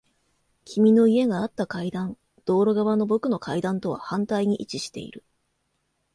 君の家があった階段。道路側の僕の階段とは反対に位置している。